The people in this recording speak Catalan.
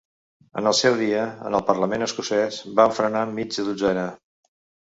En el seu dia, en el parlament escocès vam frenar mitja dotzena.